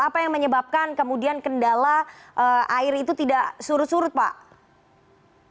apa yang menyebabkan kemudian kendala air itu tidak surut surut pak